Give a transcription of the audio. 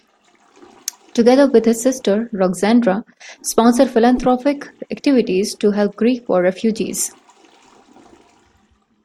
Together with his sister Roxandra sponsored philanthropic activities to help Greek war refugees.